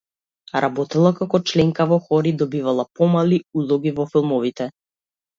Работела како членка во хор и добивала помали улоги во филмовите.